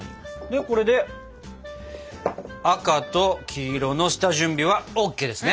でこれで赤と黄色の下準備はＯＫですね！